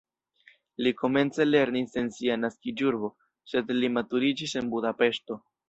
Li komence lernis en sia naskiĝurbo, sed li maturiĝis en Budapeŝto.